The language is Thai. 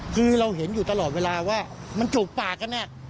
คือเราเห็นอยู่ตลอดเวลาว่ามันจูบปากกัน